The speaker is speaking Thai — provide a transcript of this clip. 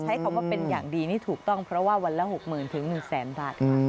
ใช้คำว่าเป็นอย่างดีนี่ถูกต้องเพราะว่าวันละหกหมื่นถึงหนึ่งแสนบาท